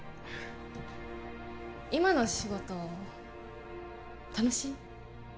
今の仕事楽しい？